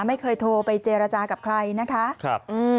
ไม่เคยโทรไปเจรจากับใครนะคะครับ